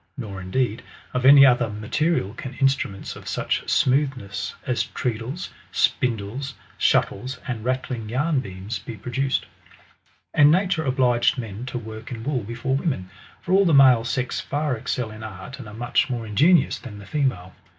Nor, indeed, of any other mate^ rial can instruments of such smoothness as treadles, spindles, shuttles, and rattling yarn beams, be produced. And nature obliged men to work in wool before women ; for all the male sex far excel in art, and are much more inge nious than the female.